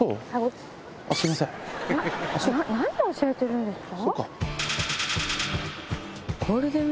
何教えてるんですか？